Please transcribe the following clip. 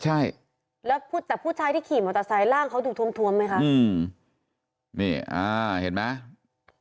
ใช่แล้วแต่ผู้ชายที่ขี่โมตาใส่ล่างเขาถูมไหมคะ